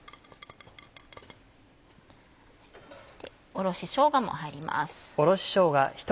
おろししょうがも入ります。